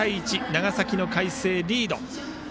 長崎の海星、リード。